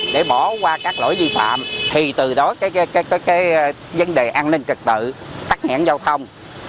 để bỏ qua các lỗi vi phạm thì từ đó cái vấn đề an ninh trật tự tắt nhãn giao thông